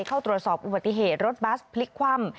เข้าตรวจสอบอุบัติเหตุรถบัสพลิกคว่ำ